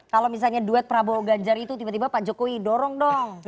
kalau misalnya duet prabowo ganjar itu tiba tiba pak jokowi dorong dong